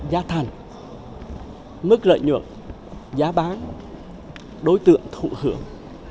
là xác định giá thành mức lợi nhuận giá bán đối tượng thụ hưởng